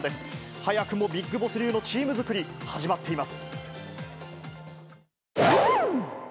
早くもビッグボス流のチーム作り、始まっています。